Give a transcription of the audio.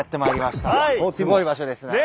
すごい場所ですね。